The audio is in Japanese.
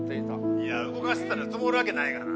「いや動かしてたら積もるわけないがな」